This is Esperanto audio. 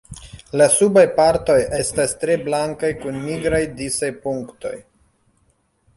La subaj partoj estas tre blankaj kun nigraj disaj punktoj.